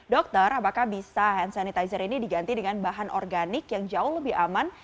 dokter apakah bisa hand sanitizer ini diganti dengan bahan organik yang jauh lebih aman